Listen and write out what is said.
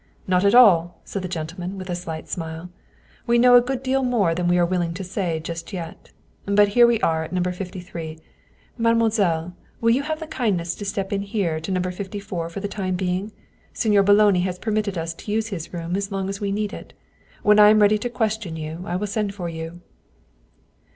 " Not at all," said the gentleman with a slight smile. " We know a good deal more than we are willing to say just yet. But here we are at No. 53. Mademoiselle, will you have the kindness to step in here to No. 54 for the time being? Signor Boloni has permitted us to use his room as long as we need it. When I am ready to question you I will send for you."